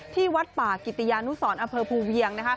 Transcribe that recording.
ที่วัดป่ากิติยานุสรอำเภอภูเวียง